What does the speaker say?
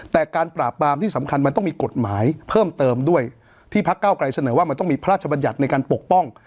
แต่การปราบปรามที่สำคัญมันต้องมีกฎหมายเพิ่มเติมด้วยที่พักเก้าไกรเสนอว่ามันต้องมีพระราชบัญญัติในการปกป้อง